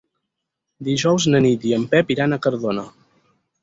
Dijous na Nit i en Pep iran a Cardona.